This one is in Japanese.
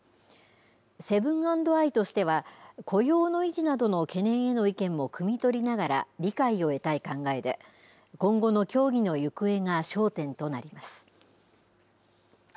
セブン＆アイとしては、雇用の維持などの懸念への意見もくみ取りながら、理解を得たい考えで、今後の協議の行方が焦点となります。